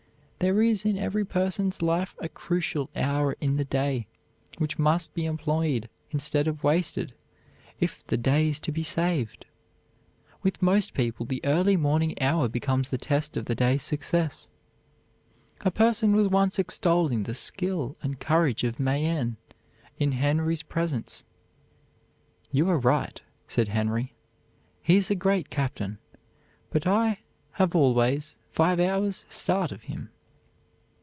There is in every person's life a crucial hour in the day, which must be employed instead of wasted if the day is to be saved. With most people the early morning hour becomes the test of the day's success. A person was once extolling the skill and courage of Mayenne in Henry's presence. "You are right," said Henry, "he is a great captain, but I have always five hours' start of him."